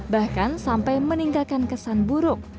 bahkan sampai meninggalkan kesan buruk